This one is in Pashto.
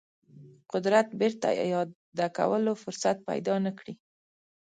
قدرت بیرته اعاده کولو فرصت پیدا نه کړي.